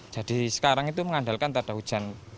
jadi sekarang itu mengandalkan tak ada hujan